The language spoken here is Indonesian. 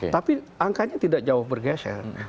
tapi angkanya tidak jauh bergeser